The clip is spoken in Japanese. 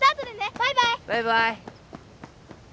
バイバイ。